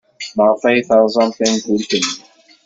Maɣef ay terẓem tankult-nni?